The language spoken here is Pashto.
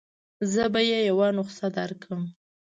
زه به يې یوه نسخه درکړم.